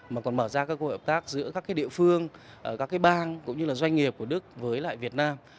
mà còn mở ra các cơ hội hợp tác giữa các địa phương các bang cũng như là doanh nghiệp của đức với lại việt nam